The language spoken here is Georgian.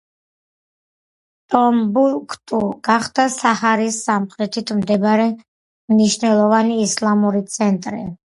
ტომბუქტუ გახდა საჰარის სამხრეთით მდებარე მნიშვნელოვანი ისლამური ცენტრი.